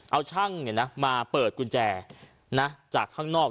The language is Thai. เอาช่างมาเปิดกุญแจจากข้างนอก